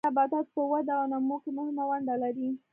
دوی د نباتاتو په وده او نمو کې مهمه ونډه لري.